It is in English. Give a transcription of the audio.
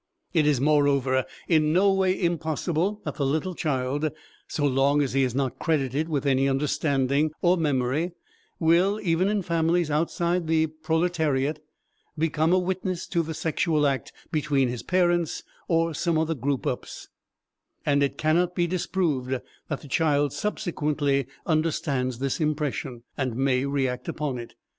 It is, moreover, in no way impossible that the little child, so long as he is not credited with any understanding or memory, will, even in families outside the proletariat, become a witness to the sexual act between his parents or some other group ups, and it cannot be disproved that the child subsequently understands this impression, and may react upon it.